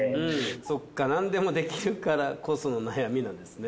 そっか何でもできるからこその悩みなんですね。